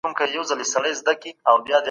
پخواني سیاسي حالت ستونزې لرلې.